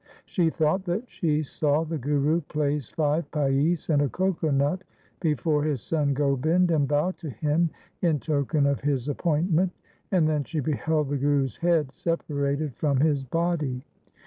She thought that she saw the Guru place five paise and a coco nut before his son Gobind and bow to him in token of his appoint ment, and then she beheld the Guru's head separated from his body.